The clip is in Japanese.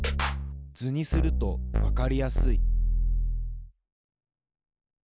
図にするとわかりやすい。